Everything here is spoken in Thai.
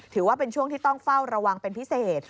ถือว่าเป็นช่วงที่ต้องเฝ้าระวังเป็นพิเศษ